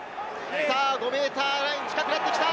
５ｍライン、近くなってきた。